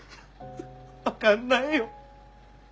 分かんないよ。